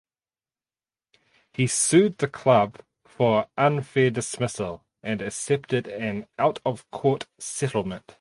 He sued the club for unfair dismissal and accepted an out of court settlement.